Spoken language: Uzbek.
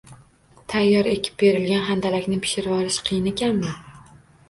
– Tayyor ekib berilgan handalakni pishirvolish qiyinakanmi?